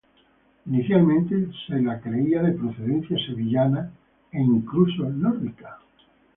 Inicialmente se la creía de procedencia sevillana e incluso nórdica.